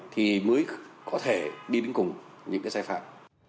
thì mới có thể đi đến cùng những cái sai phạm